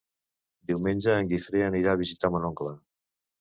Diumenge en Guifré anirà a visitar mon oncle.